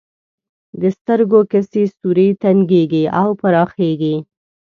د سترګو کسي سوری تنګیږي او پراخیږي.